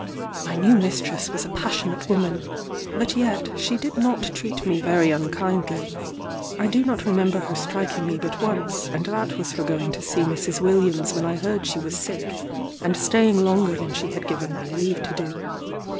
My new mistress was a passionate woman; but yet she did not treat me very unkindly. I do not remember her striking me but once, and that was for going to see Mrs. Williams when I heard she was sick, and staying longer than she had given me leave to do.